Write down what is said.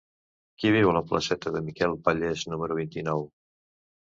Qui viu a la placeta de Miquel Pallés número vint-i-nou?